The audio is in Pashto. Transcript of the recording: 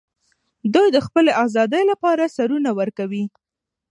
دوی د خپلې ازادۍ لپاره سرونه ورکوي.